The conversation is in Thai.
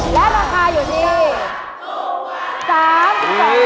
และราคาอยู่ที่๓๒บาท